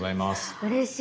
うれしい。